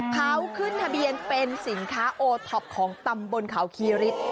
เขาขึ้นทะเบียนเป็นสินค้าโอท็อปของตำบลเขาคีฤทธิ์